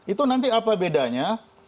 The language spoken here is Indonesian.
itu nanti apa bedanya